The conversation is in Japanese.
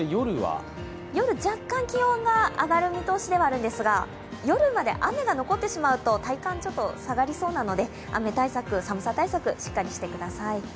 夜、若干気温が上がる見通しではあるんですが、夜まで雨が残ってしまうと体感下がりそうなので、雨対策、寒さ対策、しっかりしてください。